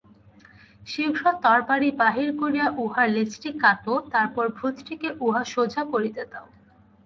শীঘ্র তরবারি বাহির করিয়া উহার লেজটি কাটো, তারপর ভূতটিকে উহা সোজা করিতে দাও।